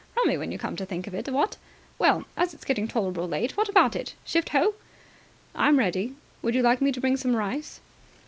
Rummy, when you come to think of it, what? Well, as it's getting tolerable late, what about it? Shift ho?" "I'm ready. Would you like me to bring some rice?"